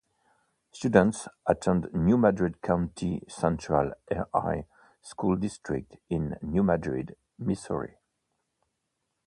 Students attend New Madrid County Central R-I School District in New Madrid, Missouri.